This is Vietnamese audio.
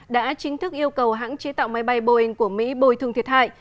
đã chính thức yêu cầu hãng chế tạo máy bay boeing của mỹ bồi thường thiệt hại